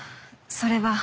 それは。